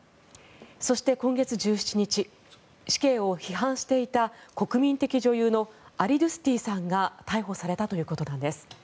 そして、今月１７日死刑を批判していた国民的女優のアリドゥスティさんが逮捕されたということなんです。